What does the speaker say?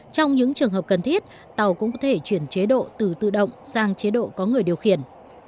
trong những trường hợp cần thiết tàu cũng có thể chuyển chế độ từ tự động sang chế độ có người điều khiển